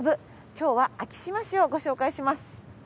今日は昭島市をご紹介します。